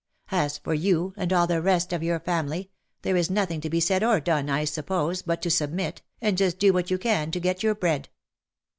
As for you, and all the rest of your family, there is nothing to be said or done, I suppose, but to submit, and just do what you can to get your bread.